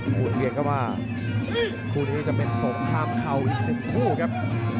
พูดเวียงก็มาพูดให้จะเป็นสงครามเข่าอีก๑คู่ครับ